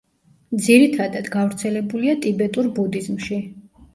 ძირითადად, გავრცელებულია ტიბეტურ ბუდიზმში.